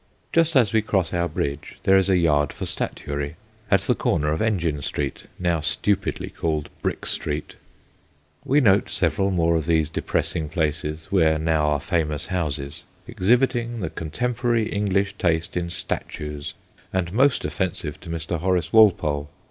Just as we cross our bridge there is a yard for statuary, at the corner of Engine Street, now stupidly called Brick Street. We notice several more of these depressing places, where now are famous houses, exhibiting the contemporary IN 1730 13 English taste in statues and most offensive to Mr. Horace Walpole.